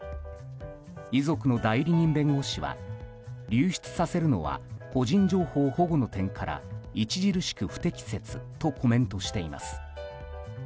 遺族の代理人弁護士は流出させるのは個人情報保護の点から著しく不適切とコメントしています。